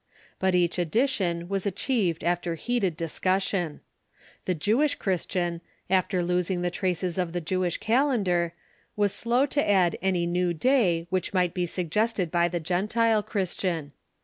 But each addition was achieved after heated discussion. The Jewish Christian, after losing the traces of the Jewish calendar, Avas slow to add any new day which might be suggested by the Gentile Christian.